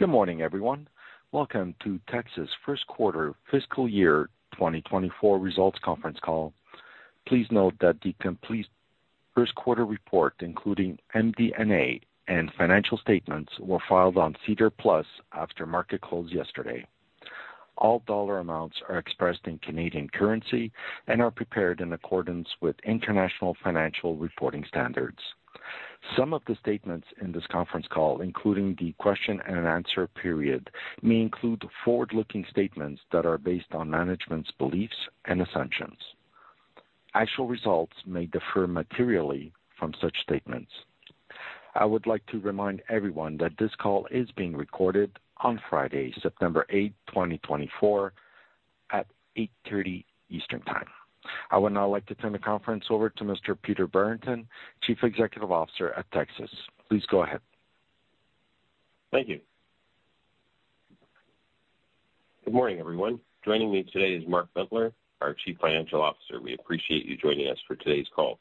Good morning, everyone. Welcome to Tecsys First Quarter Fiscal Year 2024 Results Conference Call. Please note that the complete first quarter report, including MD&A and financial statements, were filed on SEDAR+ after market close yesterday. All dollar amounts are expressed in Canadian currency and are prepared in accordance with International Financial Reporting Standards. Some of the statements in this conference call, including the question and answer period, may include forward-looking statements that are based on management's beliefs and assumptions. Actual results may differ materially from such statements. I would like to remind everyone that this call is being recorded on Friday, September 8th, 2024, at 8:30 A.M. Eastern Time. I would now like to turn the conference over to Mr. Peter Brereton, Chief Executive Officer of Tecsys. Please go ahead. Thank you. Good morning, everyone. Joining me today is Mark J. Bentler, our Chief Financial Officer. We appreciate you joining us for today's call.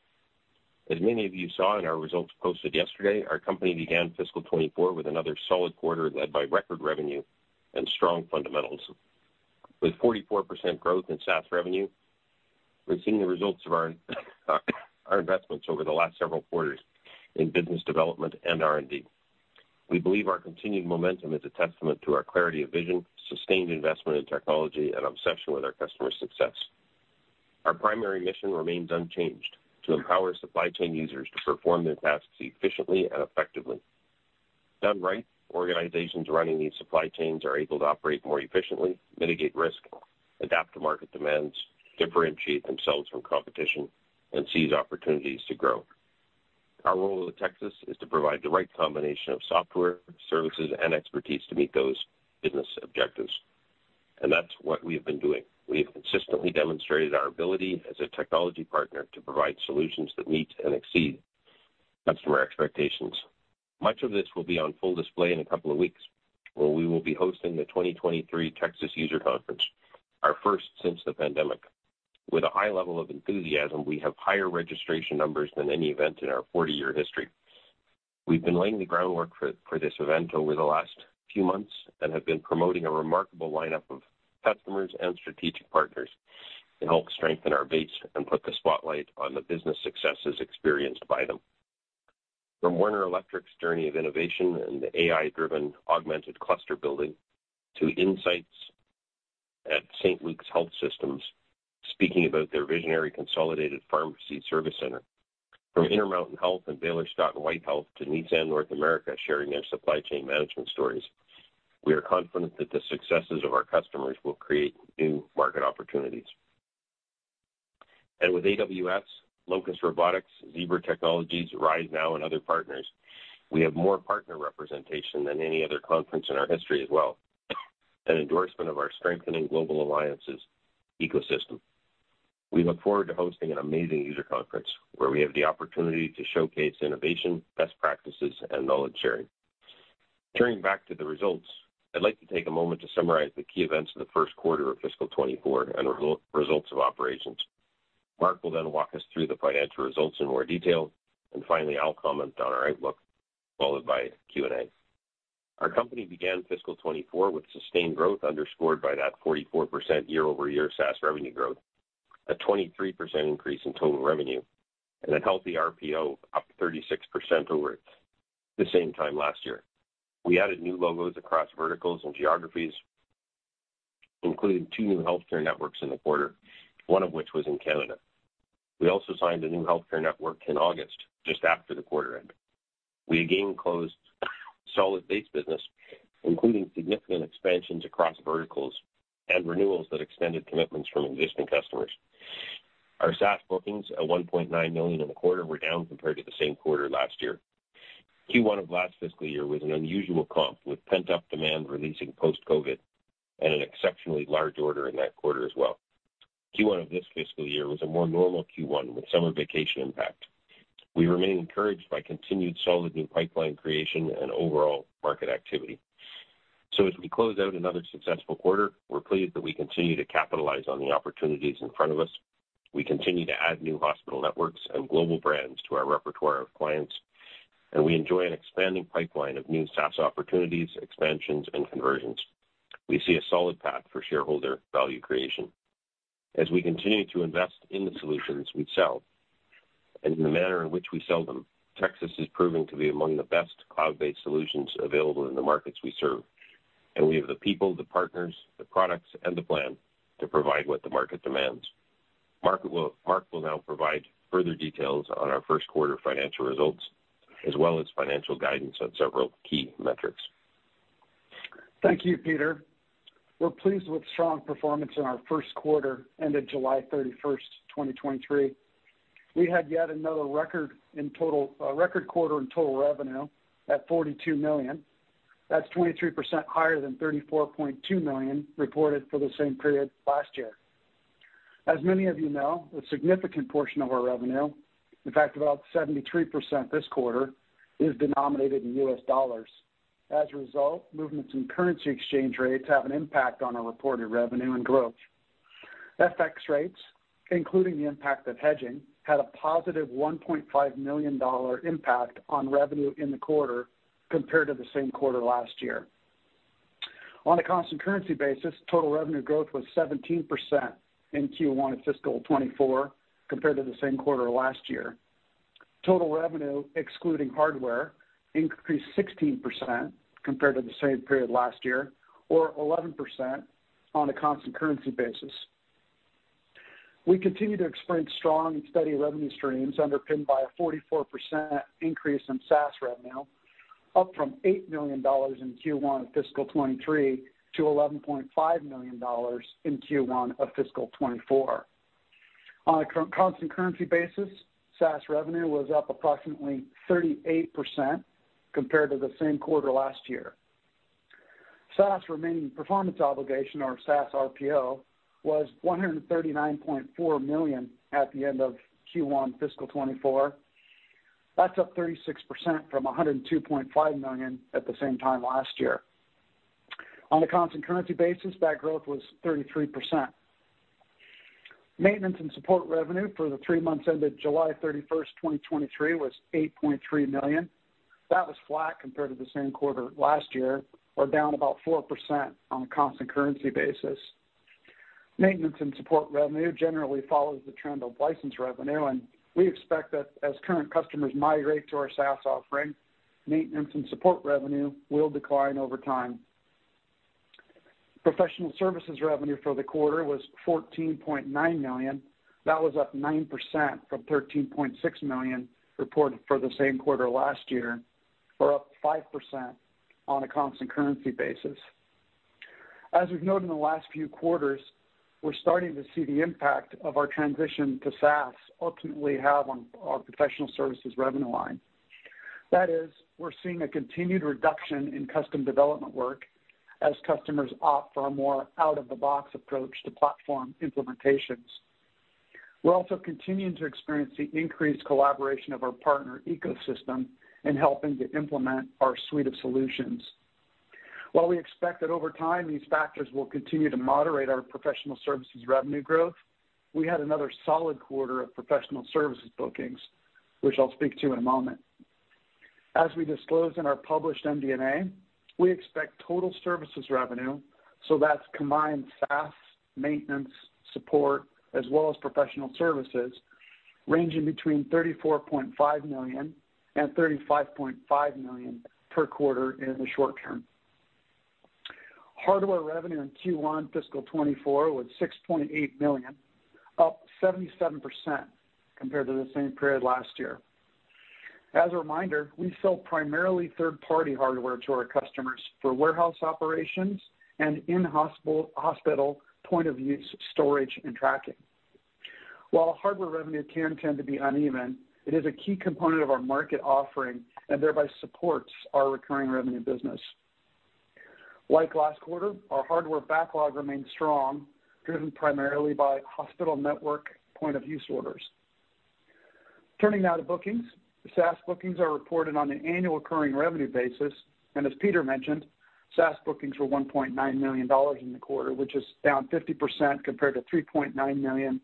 As many of you saw in our results posted yesterday, our company began fiscal 2024 with another solid quarter, led by record revenue and strong fundamentals. With 44% growth in SaaS revenue, we're seeing the results of our investments over the last several quarters in business development and R&D. We believe our continued momentum is a testament to our clarity of vision, sustained investment in technology, and obsession with our customers' success. Our primary mission remains unchanged, to empower supply chain users to perform their tasks efficiently and effectively. Done right, organizations running these supply chains are able to operate more efficiently, mitigate risk, adapt to market demands, differentiate themselves from competition, and seize opportunities to grow. Our role at Tecsys is to provide the right combination of software, services, and expertise to meet those business objectives, and that's what we've been doing. We have consistently demonstrated our ability as a technology partner to provide solutions that meet and exceed customer expectations. Much of this will be on full display in a couple of weeks, where we will be hosting the 2023 Tecsys User Conference, our first since the pandemic. With a high level of enthusiasm, we have higher registration numbers than any event in our 40-year history. We've been laying the groundwork for this event over the last few months and have been promoting a remarkable lineup of customers and strategic partners to help strengthen our base and put the spotlight on the business successes experienced by them. From Werner Electric's journey of innovation and AI-driven augmented cluster building, to insights at St. Luke's Health System. Speaking about their visionary consolidated pharmacy service center, from Intermountain Health and Baylor Scott & White Health to Nissan North America, sharing their supply chain management stories, we are confident that the successes of our customers will create new market opportunities. With AWS, Locus Robotics, Zebra Technologies, RiseNow, and other partners, we have more partner representation than any other conference in our history as well, an endorsement of our strengthening global alliances ecosystem. We look forward to hosting an amazing user conference, where we have the opportunity to showcase innovation, best practices, and knowledge sharing. Turning back to the results, I'd like to take a moment to summarize the key events of the first quarter of fiscal 2024 and the results of operations. Mark will then walk us through the financial results in more detail, and finally, I'll comment on our outlook, followed by Q&A. Our company began fiscal 2024 with sustained growth, underscored by that 44% year-over-year SaaS revenue growth, a 23% increase in total revenue, and a healthy RPO, up 36% over the same time last year. We added new logos across verticals and geographies, including two new healthcare networks in the quarter, one of which was in Canada. We also signed a new healthcare network in August, just after the quarter end. We again closed solid base business, including significant expansions across verticals and renewals that extended commitments from existing customers. Our SaaS bookings at 1.9 million in the quarter were down compared to the same quarter last year. Q1 of last fiscal year was an unusual comp, with pent-up demand releasing post-COVID and an exceptionally large order in that quarter as well. Q1 of this fiscal year was a more normal Q1, with summer vacation impact. We remain encouraged by continued solid new pipeline creation and overall market activity. So as we close out another successful quarter, we're pleased that we continue to capitalize on the opportunities in front of us. We continue to add new hospital networks and global brands to our repertoire of clients, and we enjoy an expanding pipeline of new SaaS opportunities, expansions, and conversions. We see a solid path for shareholder value creation. As we continue to invest in the solutions we sell and in the manner in which we sell them, Tecsys is proving to be among the best cloud-based solutions available in the markets we serve, and we have the people, the partners, the products, and the plan to provide what the market demands. Mark will now provide further details on our first quarter financial results, as well as financial guidance on several key metrics. Thank you, Peter. We're pleased with strong performance in our first quarter, ended July 31st, 2023. We had yet another record quarter in total revenue at 42 million. That's 23% higher than 34.2 million reported for the same period last year. As many of you know, a significant portion of our revenue, in fact, about 73% this quarter, is denominated in US dollars. As a result, movements in currency exchange rates have an impact on our reported revenue and growth. FX rates, including the impact of hedging, had a positive 1.5 million dollar impact on revenue in the quarter compared to the same quarter last year. On a constant currency basis, total revenue growth was 17% in Q1 of fiscal 2024 compared to the same quarter last year. Total revenue, excluding hardware, increased 16% compared to the same period last year, or 11% on a constant currency basis. We continue to experience strong and steady revenue streams, underpinned by a 44% increase in SaaS revenue, up from 8 million dollars in Q1 of fiscal 2023 to 11.5 million dollars in Q1 of fiscal 2024. On a constant currency basis, SaaS revenue was up approximately 38% compared to the same quarter last year. SaaS remaining performance obligation, or SaaS RPO, was 139.4 million at the end of Q1 fiscal 2024. That's up 36% from 102.5 million at the same time last year. On a constant currency basis, that growth was 33%. Maintenance and support revenue for the three months ended July 31st, 2023, was 8.3 million. That was flat compared to the same quarter last year, or down about 4% on a constant currency basis. Maintenance and support revenue generally follows the trend of license revenue, and we expect that as current customers migrate to our SaaS offering, maintenance and support revenue will decline over time. Professional services revenue for the quarter was 14.9 million. That was up 9% from 13.6 million reported for the same quarter last year, or up 5% on a constant currency basis. As we've noted in the last few quarters, we're starting to see the impact of our transition to SaaS ultimately have on our professional services revenue line. That is, we're seeing a continued reduction in custom development work as customers opt for a more out-of-the-box approach to platform implementations. We're also continuing to experience the increased collaboration of our partner ecosystem in helping to implement our suite of solutions. While we expect that over time, these factors will continue to moderate our professional services revenue growth, we had another solid quarter of professional services bookings, which I'll speak to in a moment. As we disclosed in our published MD&A, we expect total services revenue, so that's combined SaaS, maintenance, support, as well as professional services, ranging between 34.5 million and 35.5 million per quarter in the short term. Hardware revenue in Q1 fiscal 2024 was 6.8 million, up 77% compared to the same period last year. As a reminder, we sell primarily third-party hardware to our customers for warehouse operations and in-hospital, hospital point of use, storage, and tracking. While hardware revenue can tend to be uneven, it is a key component of our market offering and thereby supports our recurring revenue business. Like last quarter, our hardware backlog remains strong, driven primarily by hospital network point of use orders. Turning now to bookings. SaaS bookings are reported on an annual recurring revenue basis, and as Peter mentioned, SaaS bookings were $1.9 million in the quarter, which is down 50% compared to $3.9 million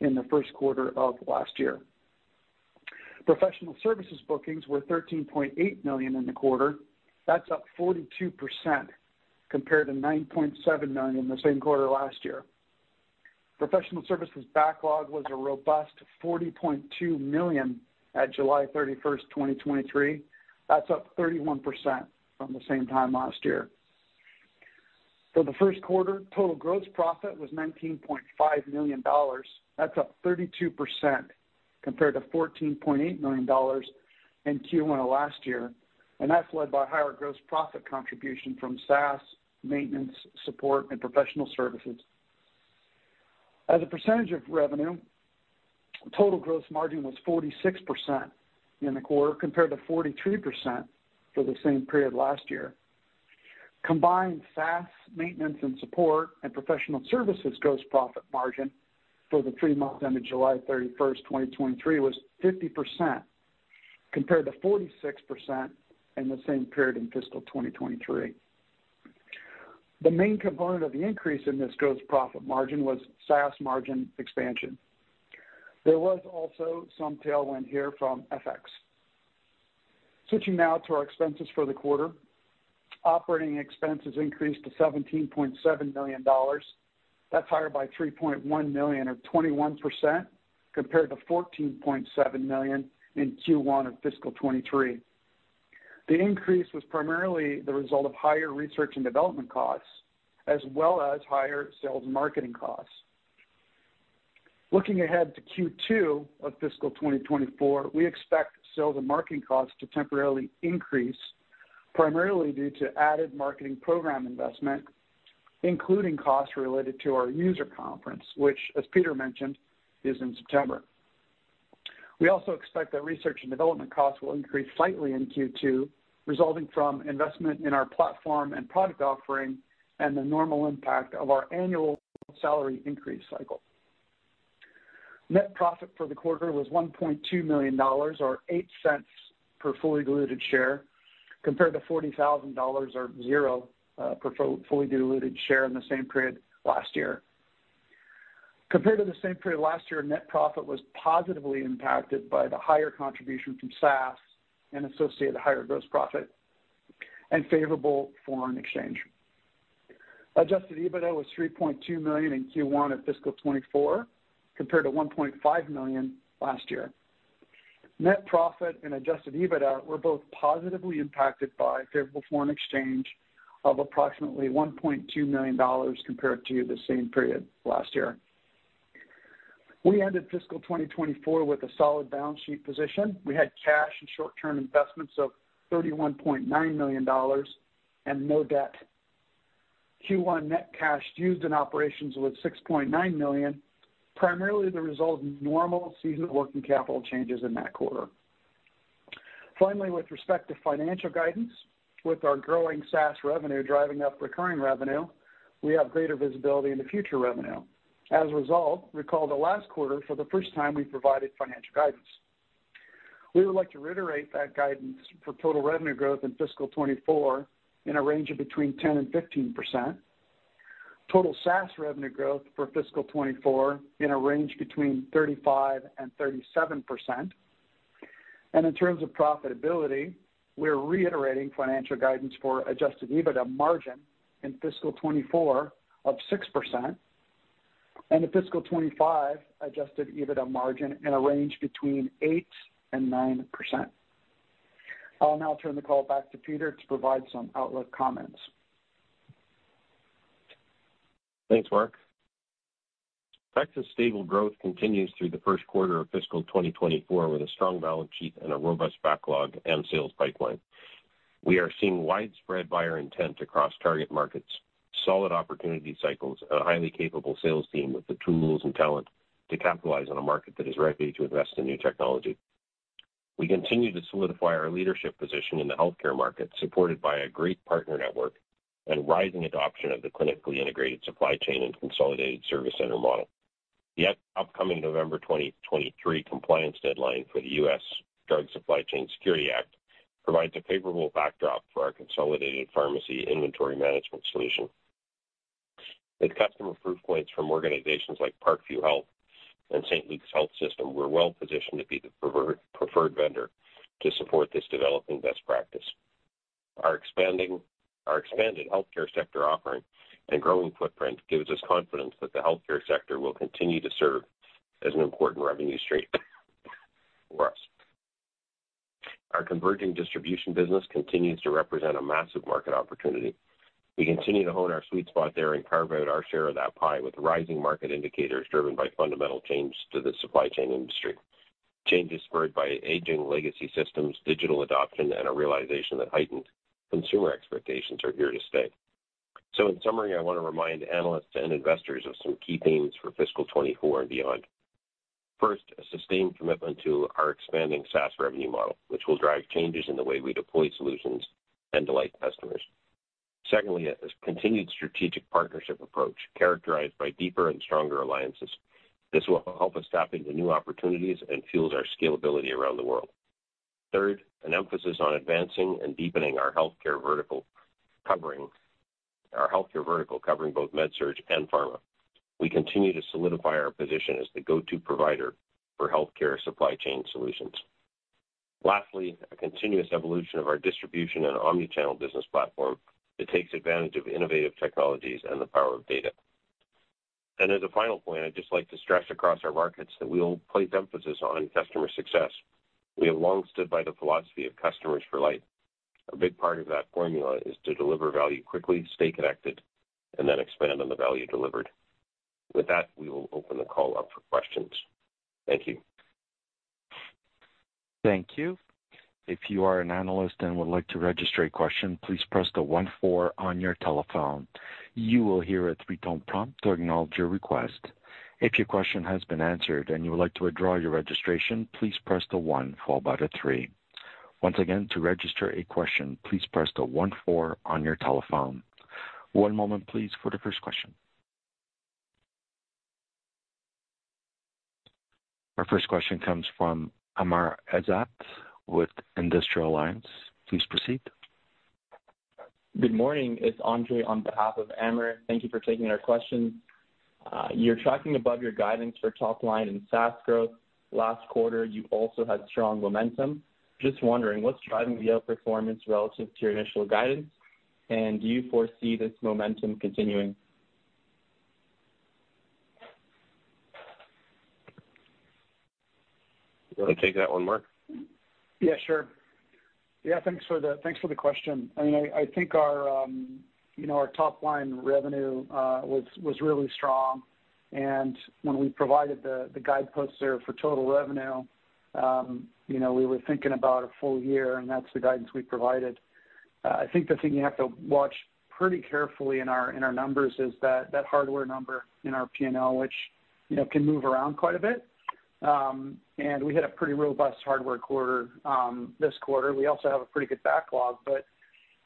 in the first quarter of last year. Professional services bookings were $13.8 million in the quarter. That's up 42% compared to $9.7 million in the same quarter last year. Professional services backlog was a robust $40.2 million at July 31, 2023. That's up 31% from the same time last year. For the first quarter, total gross profit was $19.5 million. That's up 32% compared to $14.8 million in Q1 of last year, and that's led by higher gross profit contribution from SaaS, maintenance, support, and professional services. As a percentage of revenue, total gross margin was 46% in the quarter, compared to 43% for the same period last year. Combined SaaS, maintenance and support, and professional services gross profit margin for the three months ended July 31st, 2023, was 50%, compared to 46% in the same period in fiscal 2023. The main component of the increase in this gross profit margin was SaaS margin expansion. There was also some tailwind here from FX. Switching now to our expenses for the quarter. Operating expenses increased to 17.7 million dollars. That's higher by 3.1 million, or 21%, compared to 14.7 million in Q1 of fiscal 2023. The increase was primarily the result of higher research and development costs, as well as higher sales and marketing costs. Looking ahead to Q2 of fiscal 2024, we expect sales and marketing costs to temporarily increase, primarily due to added marketing program investment, including costs related to our user conference, which, as Peter mentioned, is in September. We also expect that research and development costs will increase slightly in Q2, resulting from investment in our platform and product offering and the normal impact of our annual salary increase cycle. Net profit for the quarter was $1.2 million, or $0.08 per fully diluted share, compared to $40,000 or $0.00 per fully diluted share in the same period last year. Compared to the same period last year, net profit was positively impacted by the higher contribution from SaaS and associated higher gross profit and favorable foreign exchange. Adjusted EBITDA was 3.2 million in Q1 at fiscal 2024, compared to 1.5 million last year. Net profit and adjusted EBITDA were both positively impacted by favorable foreign exchange of approximately 1.2 million dollars compared to the same period last year. We ended fiscal 2024 with a solid balance sheet position. We had cash and short-term investments of 31.9 million dollars and no debt. Q1 net cash used in operations was 6.9 million, primarily the result of normal seasonal working capital changes in that quarter. Finally, with respect to financial guidance, with our growing SaaS revenue driving up recurring revenue, we have greater visibility into future revenue. As a result, recall the last quarter, for the first time, we provided financial guidance. We would like to reiterate that guidance for total revenue growth in fiscal 2024 in a range of between 10% and 15%. Total SaaS revenue growth for fiscal 2024 in a range between 35% and 37%. In terms of profitability, we're reiterating financial guidance for adjusted EBITDA margin in fiscal 2024 of 6% and in fiscal 2025, adjusted EBITDA margin in a range between 8% and 9%. I'll now turn the call back to Peter to provide some outlook comments. Thanks, Mark. Tecsys' stable growth continues through the first quarter of fiscal 2024, with a strong balance sheet and a robust backlog and sales pipeline. We are seeing widespread buyer intent across target markets, solid opportunity cycles, and a highly capable sales team with the tools and talent to capitalize on a market that is ready to invest in new technology. We continue to solidify our leadership position in the healthcare market, supported by a great partner network and rising adoption of the clinically integrated supply chain and consolidated service center model. The upcoming November 2023 compliance deadline for the US Drug Supply Chain Security Act provides a favorable backdrop for our consolidated pharmacy inventory management solution. With customer proof points from organizations like Parkview Health and St. Luke's Health System, we're well positioned to be the preferred vendor to support this developing best practice. Our expanded healthcare sector offering and growing footprint gives us confidence that the healthcare sector will continue to serve as an important revenue stream for us. Our converging distribution business continues to represent a massive market opportunity. We continue to hone our sweet spot there and carve out our share of that pie with rising market indicators, driven by fundamental changes to the supply chain industry, changes spurred by aging legacy systems, digital adoption, and a realization that heightened consumer expectations are here to stay. So in summary, I want to remind analysts and investors of some key themes for fiscal 2024 and beyond. First, a sustained commitment to our expanding SaaS revenue model, which will drive changes in the way we deploy solutions and delight customers. Secondly, a continued strategic partnership approach characterized by deeper and stronger alliances. This will help us tap into new opportunities and fuels our scalability around the world. Third, an emphasis on advancing and deepening our healthcare vertical, covering. Our healthcare vertical, covering both med-surg and pharma. We continue to solidify our position as the go-to provider for healthcare supply chain solutions. Lastly, a continuous evolution of our distribution and omnichannel business platform that takes advantage of innovative technologies and the power of data. And as a final point, I'd just like to stress across our markets that we will place emphasis on customer success. We have long stood by the philosophy of customers for life. A big part of that formula is to deliver value quickly, stay connected, and then expand on the value delivered. With that, we will open the call up for questions. Thank you. Thank you. If you are an analyst and would like to register a question, please press the one four on your telephone. You will hear a three-tone prompt to acknowledge your request. If your question has been answered and you would like to withdraw your registration, please press the one followed by the three. Once again, to register a question, please press the one four on your telephone. One moment please for the first question. Our first question comes from Amr Ezzat with Industrial Alliance. Please proceed. Good morning. It's Andre on behalf of Amr. Thank you for taking our question. You're tracking above your guidance for top line and SaaS growth. Last quarter, you also had strong momentum. Just wondering, what's driving the outperformance relative to your initial guidance, and do you foresee this momentum continuing? You want to take that one, Mark? Yeah, sure. Yeah, thanks for the question. I mean, I think our, you know, our top-line revenue was really strong. And when we provided the guideposts there for total revenue, you know, we were thinking about a full year, and that's the guidance we provided. I think the thing you have to watch pretty carefully in our numbers is that hardware number in our P&L, which, you know, can move around quite a bit. And we had a pretty robust hardware quarter this quarter. We also have a pretty good backlog, but...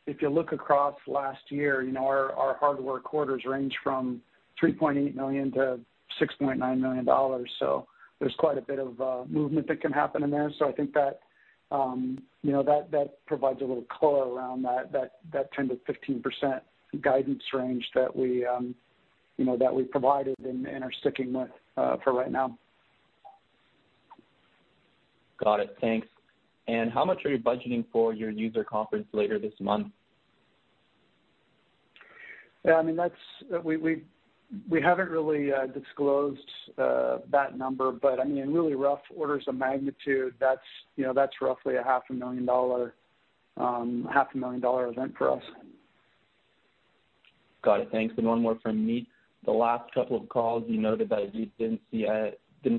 If you look across last year, you know, our hardware quarters range from 3.8 million to 6.9 million dollars. So there's quite a bit of movement that can happen in there. I think that, you know, that provides a little color around that 10%-15% guidance range that we, you know, that we provided and are sticking with, for right now. Got it. Thanks. And how much are you budgeting for your user conference later this month? Yeah, I mean, that we haven't really disclosed that number, but I mean, in really rough orders of magnitude, that's, you know, that's roughly 500,000 dollar event for us. Got it. Thanks. And one more from me. The last couple of calls, you noted that you didn't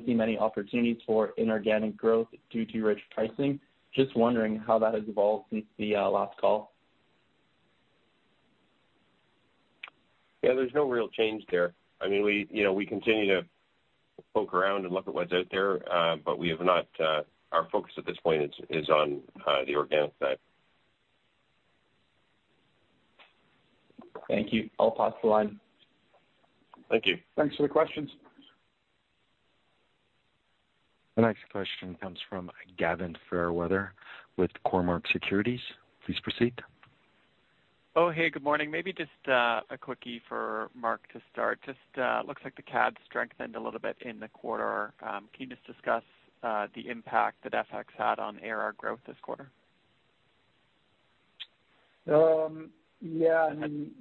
see many opportunities for inorganic growth due to rich pricing. Just wondering how that has evolved since the last call? Yeah, there's no real change there. I mean, we, you know, we continue to poke around and look at what's out there, but we have not. Our focus at this point is on the organic side. Thank you. I'll pass the line. Thank you. Thanks for the questions. The next question comes from Gavin Fairweather with Cormark Securities. Please proceed. Oh, hey, good morning. Maybe just a quickie for Mark to start. Just looks like the CAD strengthened a little bit in the quarter. Can you just discuss the impact that FX had on AR growth this quarter? Yeah, I mean,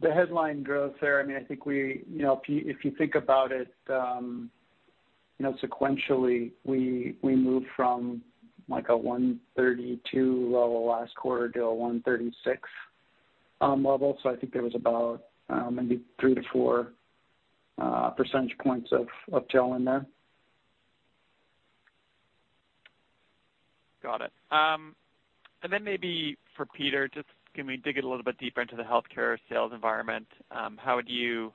the headline growth there, I mean, I think we... You know, if you, if you think about it, you know, sequentially, we moved from, like, a 132 level last quarter to a 136 level. So I think there was about, maybe 3 percent points-4 percentage points of tailwind there. Got it. And then maybe for Peter, just can we dig a little bit deeper into the healthcare sales environment? How would you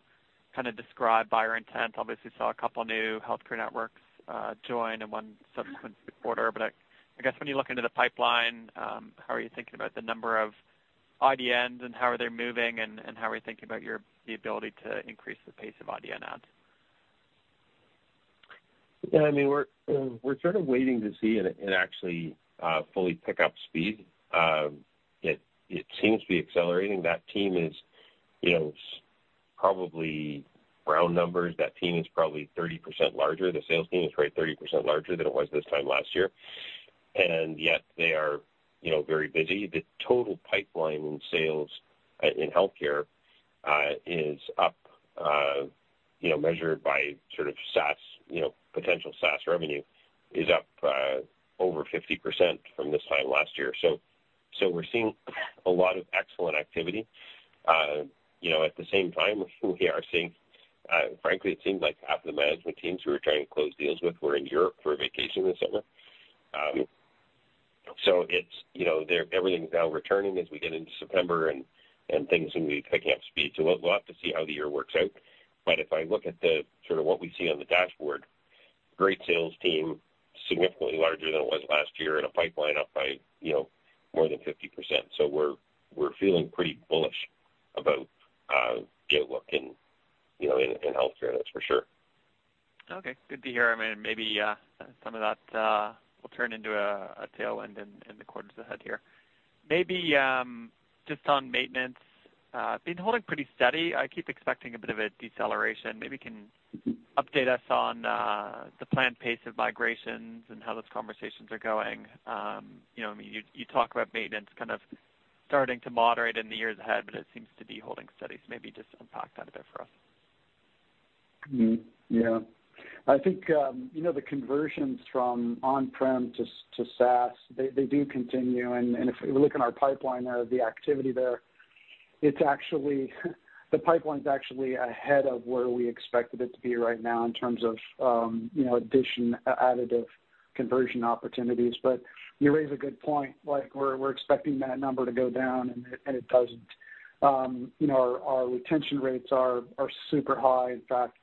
kind of describe buyer intent? Obviously saw a couple new healthcare networks join in one subsequent quarter. But I guess when you look into the pipeline, how are you thinking about the number of IDNs, and how are they moving, and how are you thinking about the ability to increase the pace of IDN adds? Yeah, I mean, we're, we're sort of waiting to see it, it actually fully pick up speed. It seems to be accelerating. That team is, you know, probably round numbers. That team is probably 30% larger. The sales team is probably 30% larger than it was this time last year, and yet they are, you know, very busy. The total pipeline in sales in healthcare is up, you know, measured by sort of SaaS, you know, potential SaaS revenue, is up over 50% from this time last year. So we're seeing a lot of excellent activity. You know, at the same time, we are seeing, frankly, it seems like half the management teams we were trying to close deals with were in Europe for a vacation this summer. So it's, you know, everything's now returning as we get into September, and things will be picking up speed. So we'll have to see how the year works out. But if I look at the, sort of what we see on the dashboard, great sales team, significantly larger than it was last year and a pipeline up by, you know, more than 50%. So we're feeling pretty bullish about getting locked in, you know, in healthcare, that's for sure. Okay. Good to hear. I mean, maybe some of that will turn into a tailwind in the quarters ahead here. Maybe just on maintenance been holding pretty steady. I keep expecting a bit of a deceleration. Maybe you can update us on the planned pace of migrations and how those conversations are going. You know, I mean, you talk about maintenance kind of starting to moderate in the years ahead, but it seems to be holding steady. So maybe just unpack that a bit for us. Mm-hmm. Yeah. I think, you know, the conversions from on-premise to SaaS, they do continue. And if we look in our pipeline there, the activity there, it's actually the pipeline's actually ahead of where we expected it to be right now in terms of, you know, additive conversion opportunities. But you raise a good point, like, we're expecting that number to go down, and it doesn't. You know, our retention rates are super high. In fact,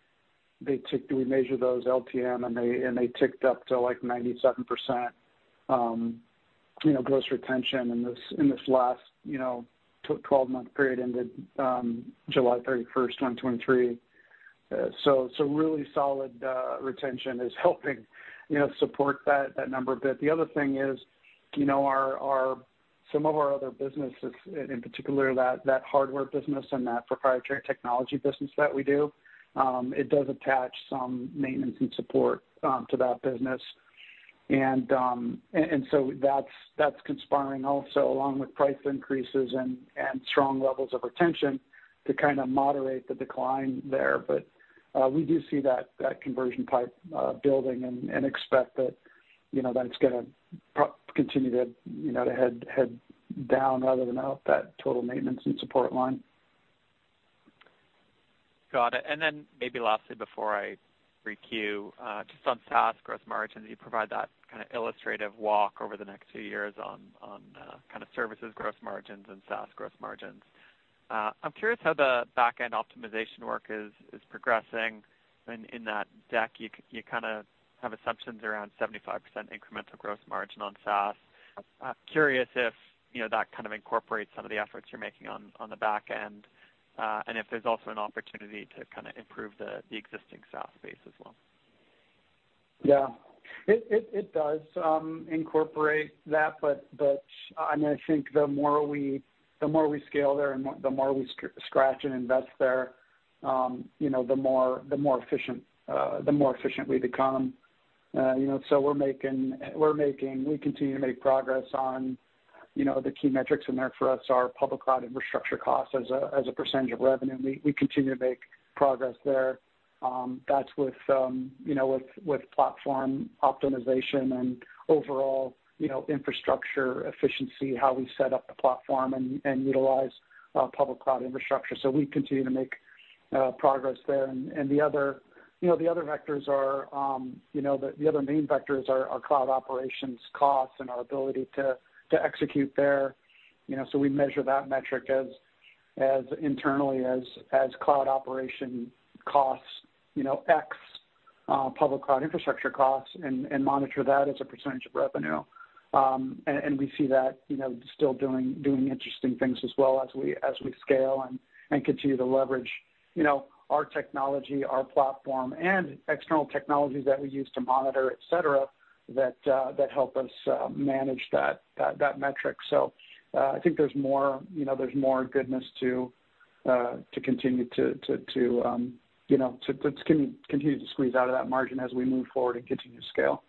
they, we measure those LTM, and they ticked up to, like, 97%, you know, gross retention in this last twelve-month period, ended July 31st, 2023. So really solid retention is helping, you know, support that number a bit. The other thing is, you know, some of our other businesses, in particular, that hardware business and that proprietary technology business that we do, it does attach some maintenance and support to that business. And so that's conspiring also, along with price increases and strong levels of retention, to kind of moderate the decline there. But we do see that conversion pipe building and expect that, you know, that it's gonna continue to, you know, to head down rather than up, that total maintenance and support line. Got it. And then maybe lastly, before I requeue, just on SaaS gross margins, you provide that kind of illustrative walk over the next few years on kind of services gross margins and SaaS gross margins. I'm curious how the back-end optimization work is progressing. When in that deck, you kind of have assumptions around 75% incremental gross margin on SaaS. I'm curious if, you know, that kind of incorporates some of the efforts you're making on the back end, and if there's also an opportunity to kind of improve the existing SaaS base as well. Yeah. It does incorporate that, but I mean, I think the more we scale there and the more we scratch and invest there, you know, the more efficient we become. You know, we continue to make progress on the key metrics in there for us, our public cloud infrastructure costs as a percentage of revenue. We continue to make progress there. That's with platform optimization and overall infrastructure efficiency, how we set up the platform and utilize public cloud infrastructure. So we continue to make progress there. The other vectors are, you know, the other main vectors are cloud operations costs and our ability to execute there. You know, so we measure that metric internally as cloud operation costs, you know, x public cloud infrastructure costs, and monitor that as a percentage of revenue. And we see that, you know, still doing interesting things as well as we scale and continue to leverage, you know, our technology, our platform, and external technologies that we use to monitor, et cetera, that help us manage that metric. So, I think there's more, you know, there's more goodness to continue to squeeze out of that margin as we move forward and continue to scale.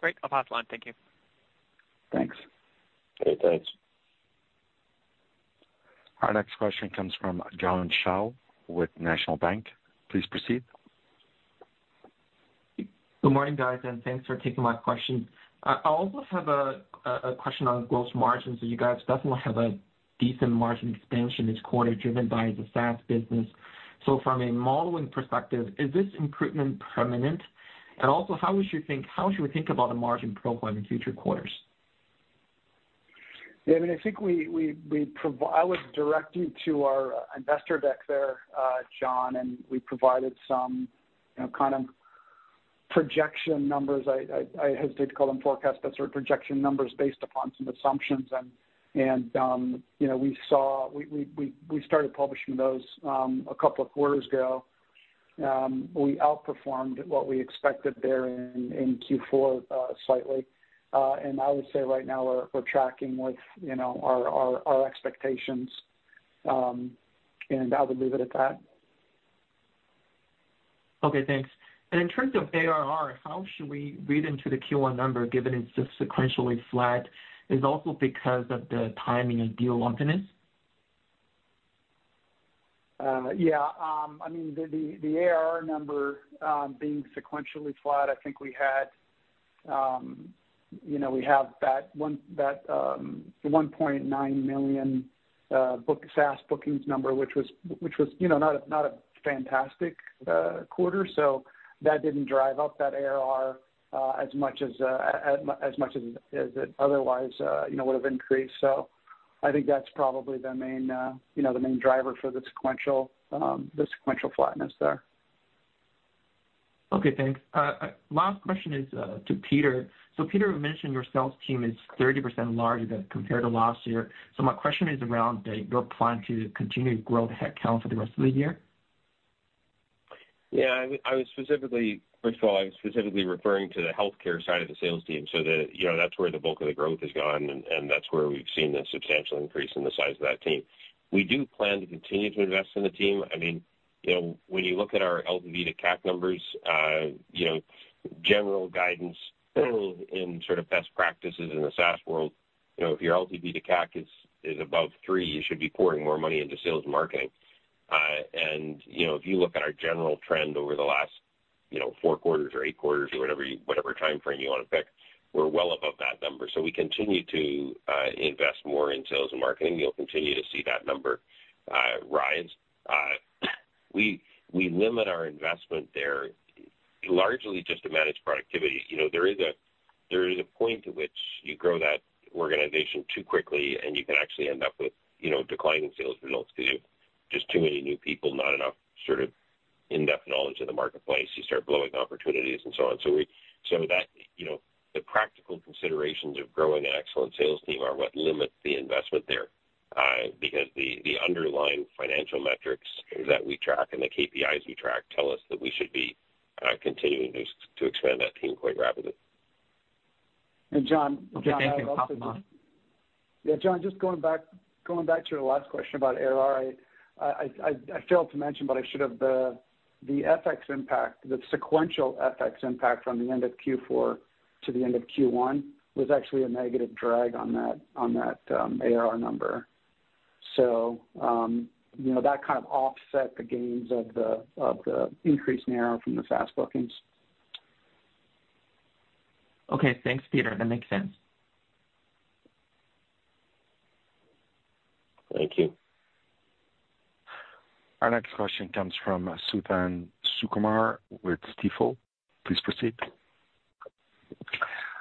Great. I'll pass the line. Thank you. Thanks. Okay, thanks. Our next question comes from John Shao with National Bank. Please proceed. Good morning, guys, and thanks for taking my question. I also have a question on gross margins. So you guys definitely have a decent margin expansion this quarter, driven by the SaaS business. So from a modeling perspective, is this improvement permanent? And also, how should we think about the margin profile in future quarters? Yeah, I mean, I think I would direct you to our investor deck there, John, and we provided some, you know, kind of projection numbers. I hesitate to call them forecasts, but sort of projection numbers based upon some assumptions. And you know, we saw we started publishing those a couple of quarters ago. We outperformed what we expected there in Q4 slightly. And I would say right now we're tracking with, you know, our expectations. And I would leave it at that. Okay, thanks. In terms of ARR, how should we read into the Q1 number, given it's just sequentially flat? Is it also because of the timing of deal maintenance? Yeah. I mean, the ARR number being sequentially flat, I think we had, you know, we have that one, that 1.9 million booking SaaS bookings number, which was, which was, you know, not a, not a fantastic quarter. So that didn't drive up that ARR as much as, as much as it otherwise, you know, would have increased. So I think that's probably the main, you know, the main driver for the sequential, the sequential flatness there. Okay, thanks. Last question is to Peter. So Peter, you mentioned your sales team is 30% larger than compared to last year. So my question is around your plan to continue to grow the headcount for the rest of the year. Yeah, I, I was specifically—first of all, I was specifically referring to the healthcare side of the sales team. So the, you know, that's where the bulk of the growth has gone, and, and that's where we've seen the substantial increase in the size of that team. We do plan to continue to invest in the team. I mean, you know, when you look at our LTV to CAC numbers, you know, general guidance in sort of best practices in the SaaS world, you know, if your LTV to CAC is, is above three, you should be pouring more money into sales and marketing. And, you know, if you look at our general trend over the last, you know, four quarters or eight quarters or whatever you—whatever time frame you want to pick, we're well above that number. So we continue to invest more in sales and marketing. You'll continue to see that number rise. We limit our investment there largely just to manage productivity. You know, there is a point to which you grow that organization too quickly, and you can actually end up with, you know, declining sales results due to just too many new people, not enough sort of in-depth knowledge of the marketplace. You start blowing opportunities and so on. So that, you know, the practical considerations of growing an excellent sales team are what limits the investment there, because the underlying financial metrics that we track and the KPIs we track tell us that we should be continuing to expand that team quite rapidly. And John- Okay, thank you. Yeah, John, just going back, going back to your last question about ARR. I failed to mention, but I should have, the FX impact, the sequential FX impact from the end of Q4 to the end of Q1 was actually a negative drag on that ARR number. So, you know, that kind of offset the gains of the increase in ARR from the SaaS bookings. Okay, thanks, Peter. That makes sense. Thank you. Our next question comes from Suthan Sukumar with Stifel. Please proceed.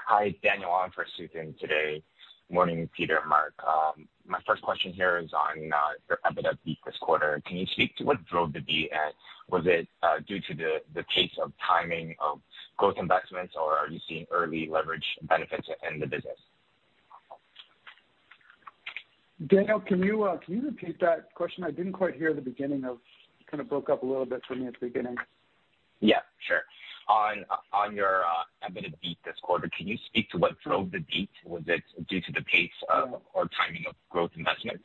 Hi, Daniel, on for Suthan today. Morning, Peter and Mark. My first question here is on your EBITDA beat this quarter. Can you speak to what drove the beat? And was it due to the case of timing of growth investments, or are you seeing early leverage benefits in the business? Daniel, can you, can you repeat that question? I didn't quite hear the beginning of... It kind of broke up a little bit for me at the beginning. Yeah, sure. On your EBITDA beat this quarter, can you speak to what drove the beat? Was it due to the pace of, or timing of growth investments?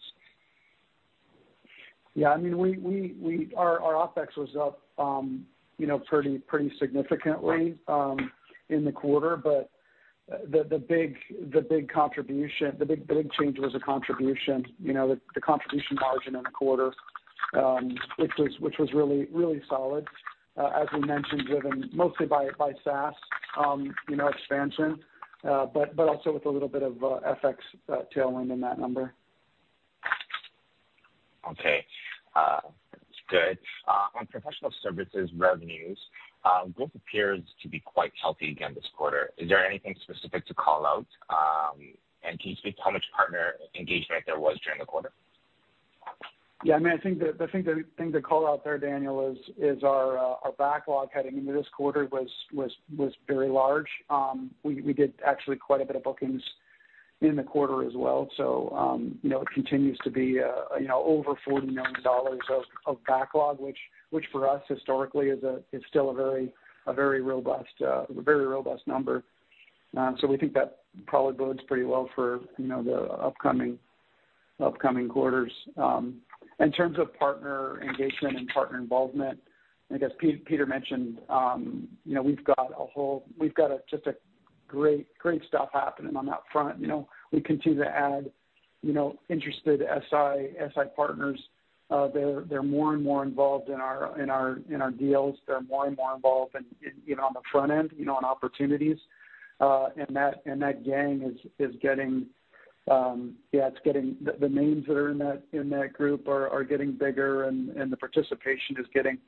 Yeah, I mean, we-- our OpEx was up, you know, pretty significantly in the quarter. But the big contribution, the big change was the contribution. You know, the contribution margin in the quarter, which was really solid, as we mentioned, driven mostly by SaaS, you know, expansion, but also with a little bit of FX tailwind in that number. Okay, good. On professional services revenues, growth appears to be quite healthy again this quarter. Is there anything specific to call out? And can you speak to how much partner engagement there was during the quarter? Yeah, I mean, I think the thing to call out there, Daniel, is our backlog heading into this quarter was very large. We did actually quite a bit of bookings in the quarter as well. So, you know, it continues to be, you know, over 40 million dollars of backlog, which for us historically is still a very robust number. So we think that probably bodes pretty well for, you know, the upcoming quarters. In terms of partner engagement and partner involvement, I guess Peter mentioned, you know, we've got a just great stuff happening on that front. You know, we continue to add, you know, interested SI partners. They're more and more involved in our deals. They're more and more involved in, you know, on the front end, you know, on opportunities. And that gang is getting, it's getting the names that are in that group are getting bigger and the participation is getting,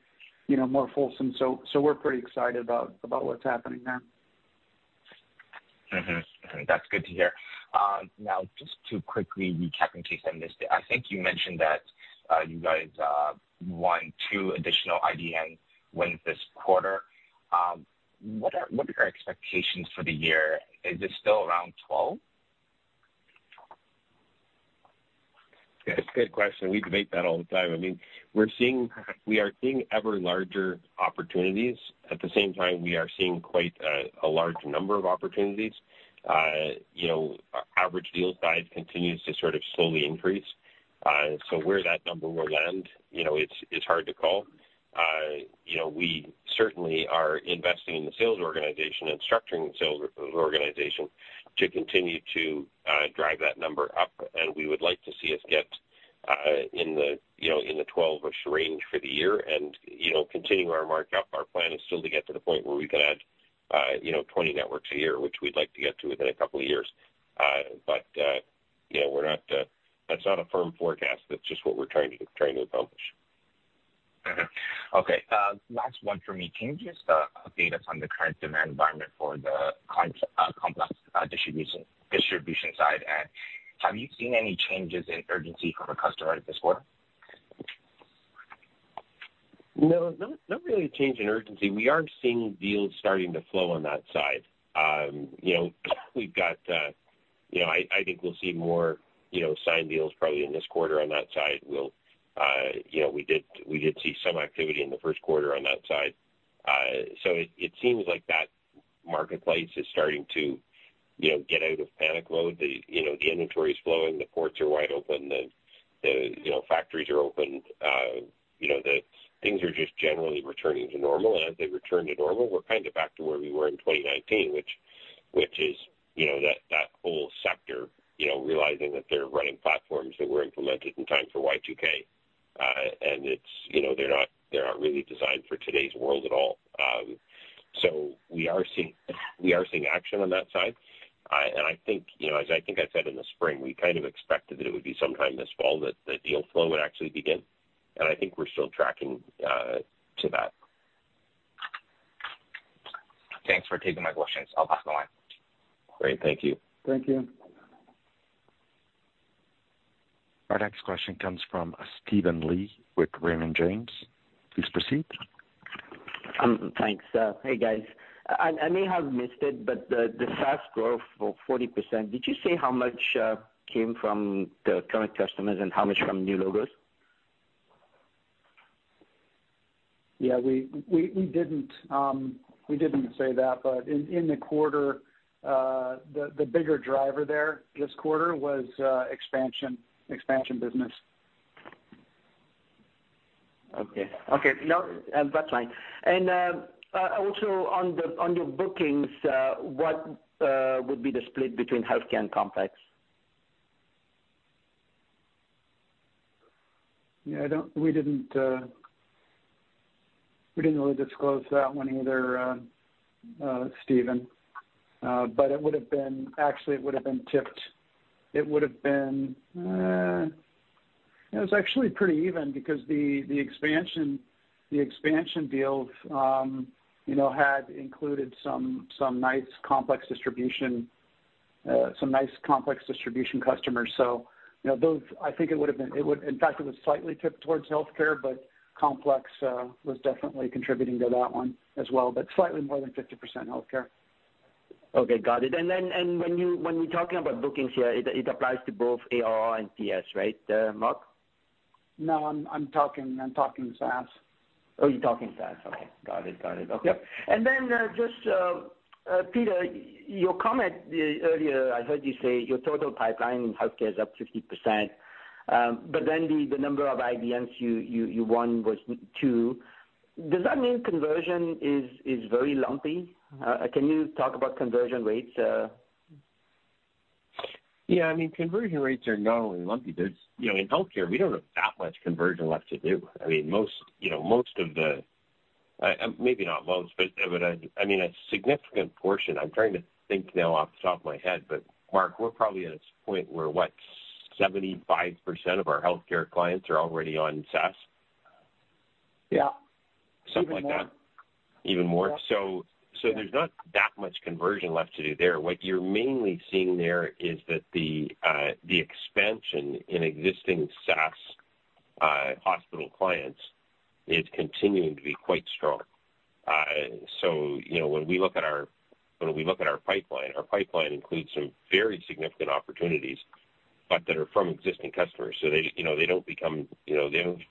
you know, more fulsome. So we're pretty excited about what's happening there. Mm-hmm. That's good to hear. Now, just to quickly recap in case I missed it, I think you mentioned that you guys won two additional IDN wins this quarter. What are your expectations for the year? Is this still around twelve? Yeah, it's a good question. We debate that all the time. I mean, we're seeing, we are seeing ever larger opportunities. At the same time, we are seeing quite a large number of opportunities. You know, our average deal size continues to sort of slowly increase. So where that number will end, you know, it's, it's hard to call. You know, we certainly are investing in the sales organization and structuring the sales organization to continue to drive that number up, and we would like to see us get in the, you know, in the 12-ish range for the year. And, you know, continuing our mark-up, our plan is still to get to the point where we can add you know 20 networks a year, which we'd like to get to within a couple of years. But, you know, we're not... That's not a firm forecast. That's just what we're trying to accomplish. Mm-hmm. Okay, last one for me. Can you just update us on the current demand environment for the complex distribution side? And have you seen any changes in urgency from a customer this quarter? No, not really a change in urgency. We are seeing deals starting to flow on that side. You know, we've got, you know, I think we'll see more, you know, signed deals probably in this quarter on that side. We'll, you know, we did see some activity in the first quarter on that side. So it seems like that marketplace is starting to, you know, get out of panic mode. You know, the inventory is flowing, the ports are wide open, the, you know, factories are open. You know, the things are just generally returning to normal. And as they return to normal, we're kind of back to where we were in 2019, which is, you know, that whole sector, you know, realizing that they're running platforms that were implemented in time for Y2K. And it's, you know, they're not—they're not really designed for today's world at all. So we are seeing, we are seeing action on that side. And I think, you know, as I think I said in the spring, we kind of expected that it would be sometime this fall that the deal flow would actually begin, and I think we're still tracking to that. Thanks for taking my questions. I'll pass the line. Great. Thank you. Thank you. Our next question comes from Steven Li with Raymond James. Please proceed. Thanks. Hey, guys. I may have missed it, but the SaaS growth of 40%, did you say how much came from the current customers and how much from new logos? Yeah, we didn't say that, but in the quarter, the bigger driver there this quarter was expansion business. Okay. Okay, no, that's fine. And also on your bookings, what would be the split between healthcare and complex? Yeah, I don't... We didn't really disclose that one either, Steven. But it would have been—actually, it would have been tipped. It would have been, it was actually pretty even because the expansion deals, you know, had included some nice complex distribution customers. So, you know, those, I think it would have been—In fact, it was slightly tipped towards healthcare, but complex was definitely contributing to that one as well, but slightly more than 50% healthcare. Okay, got it. And then, and when you, when we're talking about bookings here, it, it applies to both AOR and TS, right, Mark? No, I'm talking SaaS. Oh, you're talking SaaS. Okay, got it. Got it. Okay. And then, just, Peter, your comment earlier, I heard you say your total pipeline in healthcare is up 50%, but then the number of IDNs you won was two. Does that mean conversion is very lumpy? Can you talk about conversion rates? Yeah, I mean, conversion rates are normally lumpy. There's, you know, in healthcare, we don't have that much conversion left to do. I mean, most, you know, most of the, maybe not most, but, but, I mean, a significant portion. I'm trying to think now off the top of my head, but Mark, we're probably at a point where, what, 75% of our healthcare clients are already on SaaS? Yeah. Something like that. Even more. Even more? Yeah. So, there's not that much conversion left to do there. What you're mainly seeing there is that the expansion in existing SaaS hospital clients is continuing to be quite strong. So, you know, when we look at our pipeline, our pipeline includes some very significant opportunities, but that are from existing customers. So they, you know, they don't become, you know, they don't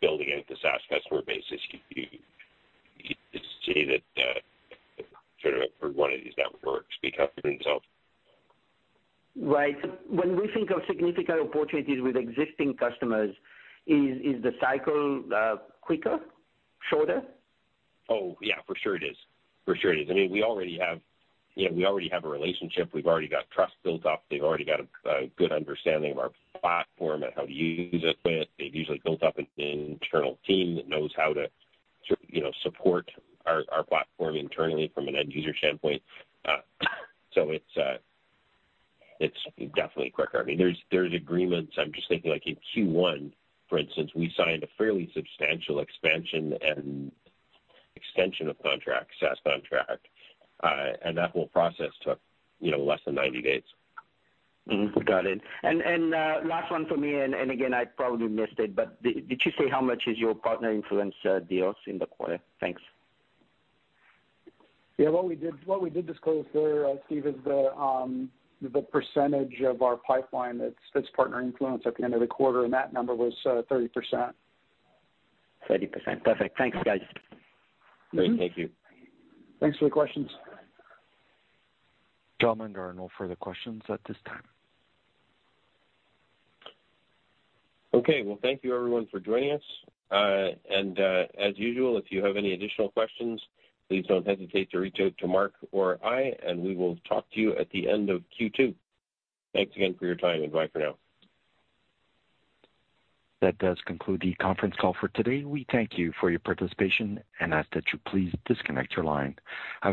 building out the SaaS customer base, as you see that, sort of, for one of these networks speak up for themselves. Right. When we think of significant opportunities with existing customers, is the cycle quicker, shorter? Oh, yeah, for sure it is. For sure it is. I mean, we already have, you know, we already have a relationship. We've already got trust built up. They've already got a, a good understanding of our platform and how to use it with. They've usually built up an internal team that knows how to, to, you know, support our, our platform internally from an end user standpoint. So it's definitely quicker. I mean, there's agreements, I'm just thinking, like in Q1, for instance, we signed a fairly substantial expansion and extension of contract, SaaS contract, and that whole process took, you know, less than 90 days. Mm-hmm. Got it. And last one for me, and again, I probably missed it, but did you say how much is your partner influence deals in the quarter? Thanks. Yeah, what we did, what we did disclose there, Steven, is the percentage of our pipeline that's, that's partner influence at the end of the quarter, and that number was 30%. 30%. Perfect. Thanks, guys. Great. Thank you. Thanks for the questions. Gentlemen, there are no further questions at this time. Okay. Well, thank you everyone for joining us. As usual, if you have any additional questions, please don't hesitate to reach out to Mark or I, and we will talk to you at the end of Q2. Thanks again for your time, and bye for now. That does conclude the conference call for today. We thank you for your participation and ask that you please disconnect your line. Have a great day.